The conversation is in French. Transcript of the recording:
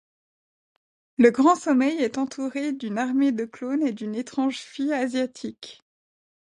Le Grand Sommeil est entouré d'une armée de clones et d'une étrange fille asiatique.